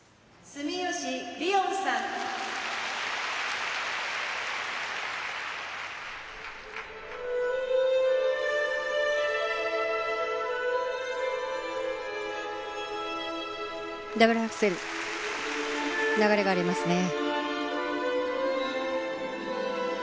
住吉りをんさんダブルアクセル流れがありますね